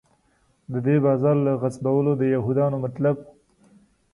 د دې بازار له غصبولو د یهودانو مطلب.